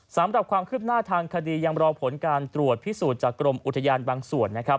สำหรับความคืบหน้าทางคดียังรอผลการตรวจพิสูจน์จากกรมอุทยานบางส่วนนะครับ